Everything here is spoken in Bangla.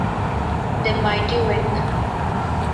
The mighty ওয়েঙ্ক!